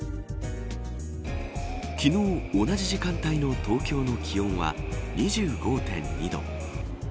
昨日、同じ時間帯の東京の気温は２５．２度。